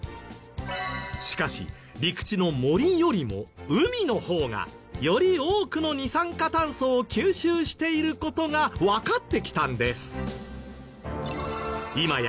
しかし陸地の森よりも海の方がより多くの二酸化炭素を吸収している事がわかってきたんです。